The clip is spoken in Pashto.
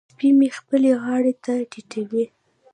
سپی مې خپلې غاړې ته ټيټوي.